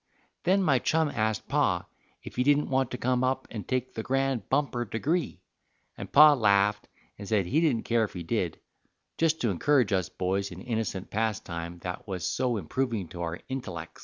Then my chum asked Pa if he didn't want to come up and take the grand bumper degree, and Pa laffed and said he didn't care if he did, just to encourage us boys in innocent pastime that was so improving to our intellex.